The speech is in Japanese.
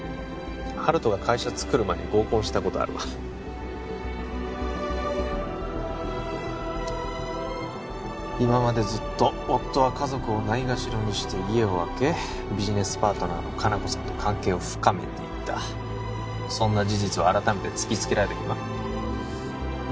温人が会社作る前に合コンしたことあるわ今までずっと夫は家族をないがしろにして家をあけビジネスパートナーの香菜子さんと関係を深めていたそんな事実を改めて突きつけられた気分？